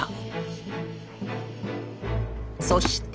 そして。